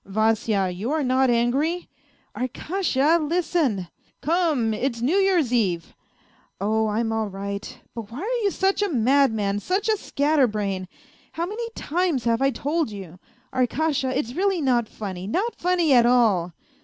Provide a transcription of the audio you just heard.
" Vasya, you are not angry ?"" Arkasha, listen. ..."" Come, it's New Year's Eve." " Oh, I'm all right ; but why are you such a madman, such a scatterbrain ? How many times I have told you : Arkasha, it's really not funny, not funny at all